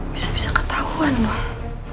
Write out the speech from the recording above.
bisa bisa ketahuan dong